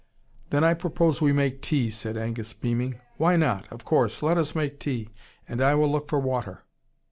"Then I propose we make tea," said Angus, beaming. "Why not! Of course. Let us make tea. And I will look for water."